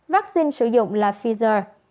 vaccine sử dụng là pfizer